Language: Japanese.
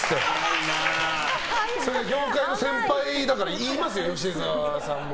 そりゃ業界の先輩だから言いますよ、吉沢さんも。